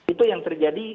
itu yang terjadi